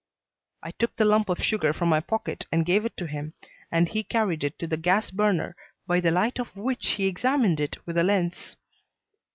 I took the lump of sugar from my pocket and gave it to him, and he carried it to the gas burner, by the light of which he examined it with a lens.